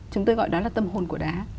chúng tôi gọi đó là tâm hồn của đá